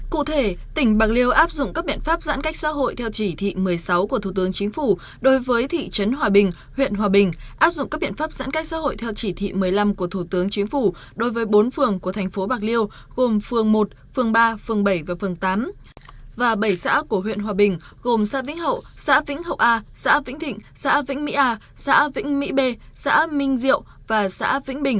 cụ thể tỉnh bạc liêu áp dụng các biện pháp giãn cách xã hội theo chỉ thị một mươi sáu của thủ tướng chính phủ đối với thị trấn hòa bình huyện hòa bình áp dụng các biện pháp giãn cách xã hội theo chỉ thị một mươi năm của thủ tướng chính phủ đối với bốn phường của thành phố bạc liêu gồm phường một phường ba phường bảy và phường tám và bảy xã của huyện hòa bình gồm xã vĩnh hậu xã vĩnh hậu a xã vĩnh thịnh xã vĩnh mỹ a xã vĩnh mỹ b xã minh diệu và xã vĩnh bình